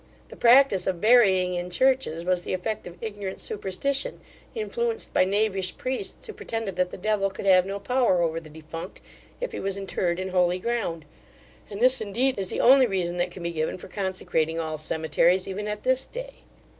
The practice of burying in churches was the effect of ignorant superstition, influenced by knavish priests, who pretended that the devil could have no power over the defunct if he was interred in holy ground; and this indeed, is the only reason that can be given for consecrating all cemeteries, even at this day.